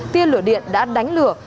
tiên lửa điện đã đánh lửa